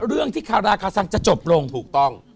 เรื่องที่คาราคาซังจะจบลงถูกต้อง